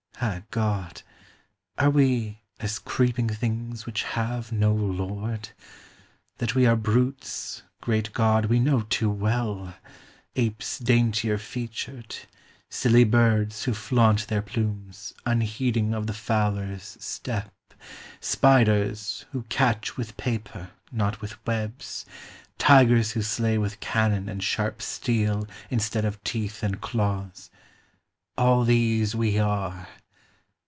— Ah God ! Are we as creeping things which have no Lord ? That we are brutes, great God, we know too well : Apes daintier featured ; silly birds, who flaunt Their plumes, unheeding of the fowler's step ; Spiders, who catch with paper, not with webs ; Tigers who slay with cannon and sharp steel. Instead of teeth and claws ;— all these we are.